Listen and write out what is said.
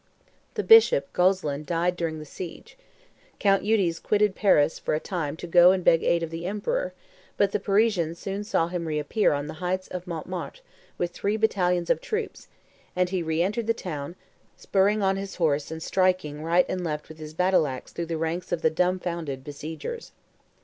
The bishop, Gozlin, died during the siege. Count Eudes quitted Paris for a time to go and beg aid of the emperor; but the Parisians soon saw him reappear on the heights of Montmartre with three battalions of troops, and he re entered the town, spurring on his horse and striking light and left with his battle axe through the ranks of the dumfounded besiegers.